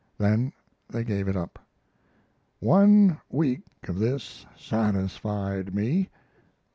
Then they gave it up. "One week of this satisfied me.